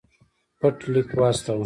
پټ لیک واستاوه.